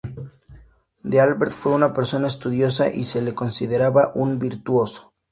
D’Albert fue una persona estudiosa y se le consideraba un virtuoso.